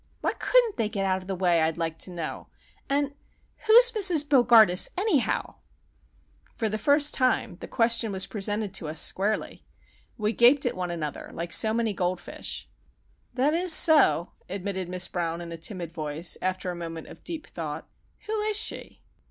Why couldn't they get out of the way, I'd like to know? and—who's Mrs. Bogardus, anyhow?" For the first time the question was presented to us squarely. We gaped at one another, like so many goldfish. "That is so," admitted Miss Brown in a timid voice, after a moment of deep thought. "Who is she?"